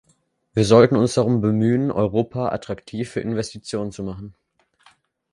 Wir sollten uns darum bemühen, Europa attraktiv für Investitionen zu machen.